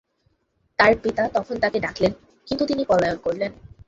তাঁর পিতা তখন তাকে ডাকলেন, কিন্তু তিনি পলায়ন করলেন।